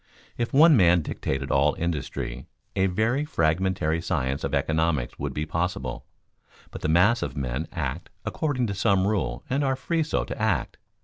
If one man dictated all industry, a very fragmentary science of economics would be possible; but the mass of men act according to some rule and are free so to act.